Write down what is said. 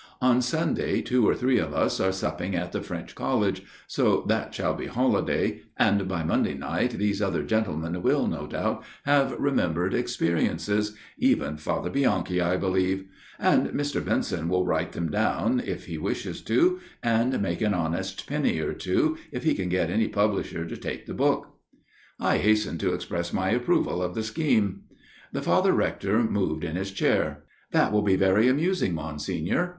On Sunday two or three of us are supping at the French College, so that shall be holiday, and by Monday night these other gentlemen will, no doubt, have remembered experiences even Father Bianchi, I believe. And Mr. Benson 4 A MIRROR OF SHALOTT shall write them down, if he wishes to, and make an honest penny or two if he can get any publisher to take the book." I hastened to express my approval of the scheme. The Father Rector moved in his chair. " That will be very amusing, Monsignor.